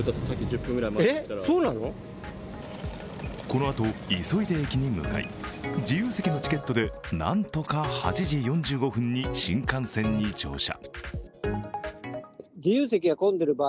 このあと急いで駅に向かい、自由席のチケットでなんとか８時４５分に新幹線に乗車。